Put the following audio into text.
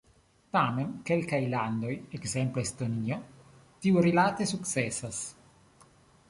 Tamen kelkaj landoj, ekzemple Estonio, tiurilate sukcesas.